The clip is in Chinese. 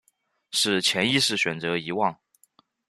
是潜意识选择遗忘